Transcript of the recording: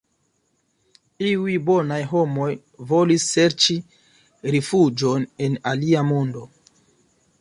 Iuj bonaj homoj volis serĉi rifuĝon en alia mondo.